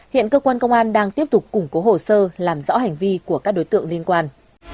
hiện cơ quan công an đang tiếp tục củng cố hồ sơ làm rõ hành vi của các đối tượng liên quan